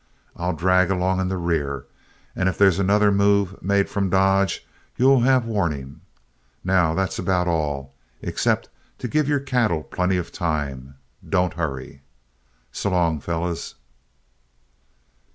I'll drag along in the rear, and if there's another move made from Dodge, you will have warning. Now, that's about all, except to give your cattle plenty of time; don't hurry. S'long, fellows."